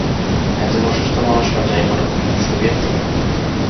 একজন অসুস্থ মানুষ আর যা-ই পারুক-ছবি আঁকতে পারে না।